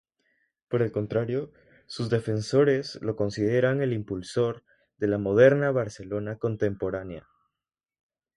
Por el contrario, sus defensores lo consideran el impulsor de la moderna Barcelona contemporánea.